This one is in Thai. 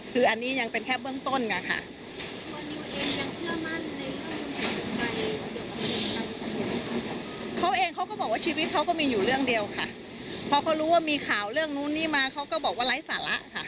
คุณแม่ก็รู้ว่ามีข่าวเรื่องนู้นนี้มาเขาก็บอกว่าไร้สาระค่ะ